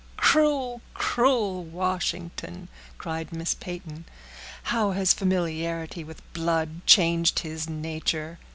"Cruel, cruel Washington!" cried Miss Peyton. "How has familiarity with blood changed his nature!"